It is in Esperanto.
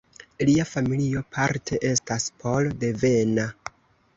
Lia familio parte estas pol-devena.